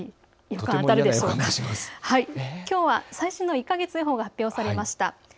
きょうは最新の１か月予報が発表されました。